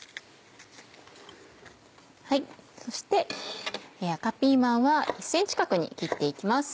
そして赤ピーマンは１ｃｍ角に切って行きます。